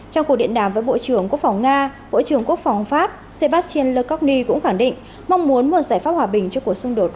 trong cuộc điện đàm với bộ trưởng quốc phòng nga bộ trưởng quốc phòng pháp sebastiel lekokny cũng khẳng định mong muốn một giải pháp hòa bình cho cuộc xung đột